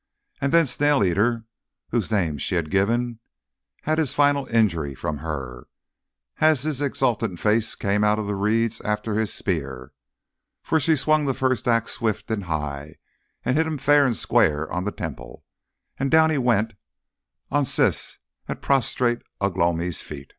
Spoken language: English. And then the Snail eater, whose name she had given, had his final injury from her, as his exultant face came out of the reeds after his spear. For she swung the first axe swift and high, and hit him fair and square on the temple; and down he went on Siss at prostrate Ugh lomi's feet.